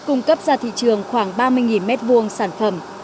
cung cấp ra thị trường khoảng ba mươi mét vuông sản phẩm